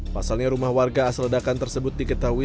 pasalnya rumah warga asal ledakan tersebut diketahui